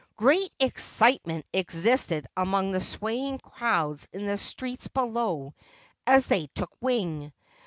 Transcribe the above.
Great excitement existed among the swaying crowds in the streets below as they took wing.